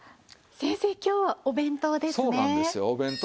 先生今日はお弁当ですね。